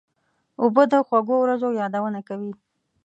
اوبه د خوږو ورځو یادونه کوي.